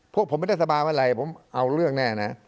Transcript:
พวกผมไม่ได้สบายอะไรผมเอาเรื่องแน่นะ